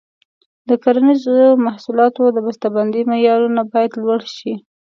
د کرنیزو محصولاتو د بسته بندۍ معیارونه باید لوړ شي.